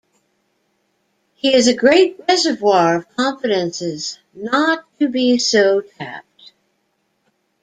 He is a great reservoir of confidences, not to be so tapped.